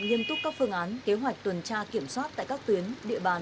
nghiêm túc các phương án kế hoạch tuần tra kiểm soát tại các tuyến địa bàn